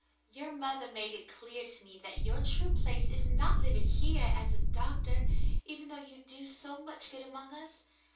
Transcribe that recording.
Your mother made it clear to me that your true place is not living here as a doctor, even though you do so much good among us.